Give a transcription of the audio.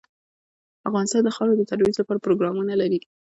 افغانستان د خاوره د ترویج لپاره پروګرامونه لري.